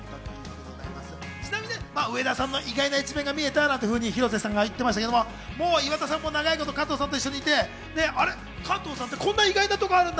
ちなみにね、上田さんの意外な一面が見えたって、広瀬さんが言ってましたけど、岩田さんも長いこと加藤さんと一緒にいて加藤さんってこんな意外なところあるんだ！